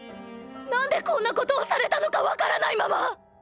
何でこんなことをされたのかわからないまま。